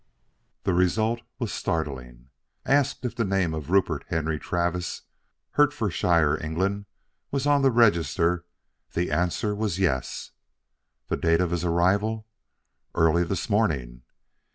The result was startling. Asked if the name of Rupert Henry Travis, Hertfordshire, England, was on their register, the answer was yes. "The date of his arrival?" "Early this morning."